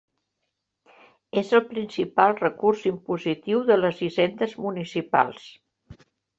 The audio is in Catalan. És el principal recurs impositiu de les hisendes municipals.